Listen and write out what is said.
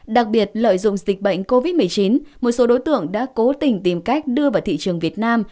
đặc biệt lợi dụng dịch bệnh covid một mươi chín một số đối tượng đã cố tình tìm cách đưa vào thị trường việt nam